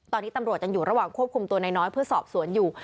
ตอนนี้ตำรวจยังอยู่ระหว่างควบคุมตัวนายน้อยเพื่อสอบสวนอยู่